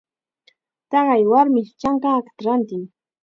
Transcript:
Taqay warmish chankakata rantin.